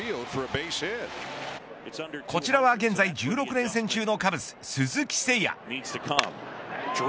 こちらは現在１６連戦中のカブス鈴木誠也。